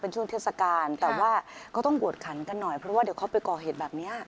ช่วงเทศกาลแต่ว่าก็ต้องบวชขันกันหน่อยเพราะว่าเดี๋ยวเขาไปก่อเหตุแบบนี้